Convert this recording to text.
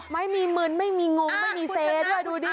ไม่มีมึนไม่มีงงไม่มีเซนด้วยดูดิ